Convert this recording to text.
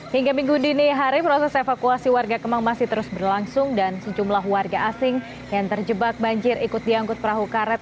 hingga minggu dini hari proses evakuasi warga kemang masih terus berlangsung dan sejumlah warga asing yang terjebak banjir ikut diangkut perahu karet